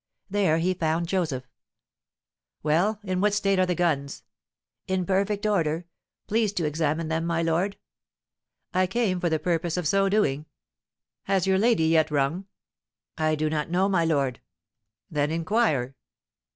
There he found Joseph. "Well, in what state are the guns?" "In perfect order. Please to examine them, my lord." "I came for the purpose of so doing. Has your lady yet rung?" "I do not know, my lord." "Then inquire."